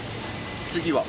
次は？